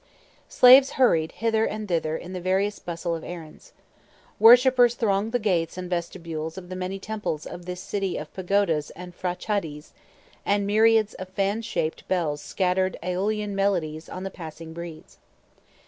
Slaves hurried hither and thither in the various bustle of errands. Worshippers thronged the gates and vestibules of the many temples of this city of pagodas and p'hra cha dees, and myriads of fan shaped bells scattered aeolian melodies on the passing breeze.